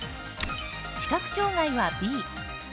視覚障がいは、Ｂ。